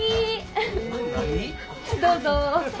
どうぞ。